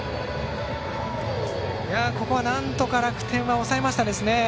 ここは、なんとか楽天は抑えましたね。